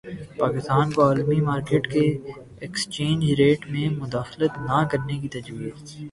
پاکستان کو عالمی مارکیٹ کے ایکسچینج ریٹ میں مداخلت نہ کرنے کی تجویز